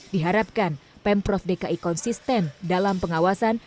diharapkan pemprov dki konsisten dalam pengawasan